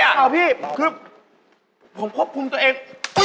อ้าวพี่คือผมควบคุมตัวเอง